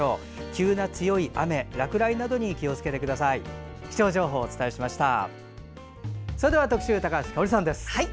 急な強い雨や落雷などに気をつけてください。